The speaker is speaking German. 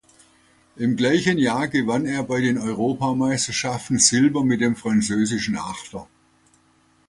Im gleich Jahr gewann er bei den Europameisterschaften Silber mit dem französischen Achter.